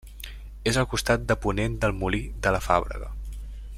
És al costat de ponent del Molí de la Fàbrega.